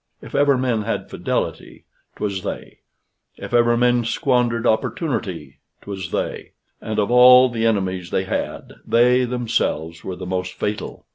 If ever men had fidelity, 'twas they; if ever men squandered opportunity, 'twas they; and, of all the enemies they had, they themselves were the most fatal.